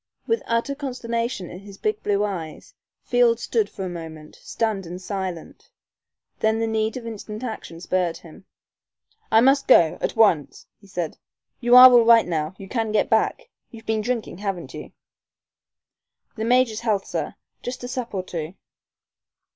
With utter consternation in his big blue eyes, Field stood for a moment, stunned and silent. Then the need of instant action spurred him. "I must go at once," he said. "You are all right now You can get back? You've been drinking, haven't you?" "The major's health, sir just a sup or two."